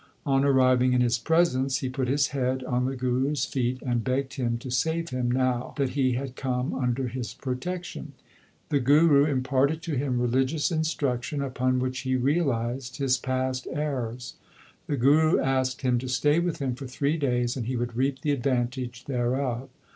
On arriving in his presence he put his head on the Guru s feet, and begged him to save him now that he had come under his pro tection. The Guru imparted to him religious instruc tion upon which he realized his past errors. The Guru asked him to stay with him for three days, and he would reap the advantage thereof.